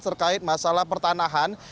terkait masalah pertanahan